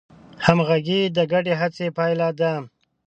همغږي د ګډې هڅې پایله ده.